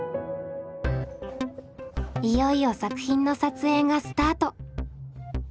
いよいよ作品の撮影がスタート！